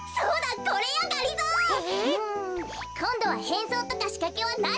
こんどはへんそうとかしかけはなしよ。